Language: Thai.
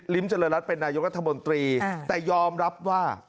เจริญรัฐเป็นนายกรัฐมนตรีแต่ยอมรับว่า